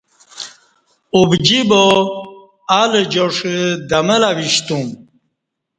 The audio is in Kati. ابجی با ال جاݜہ دمہ لہ وشتو م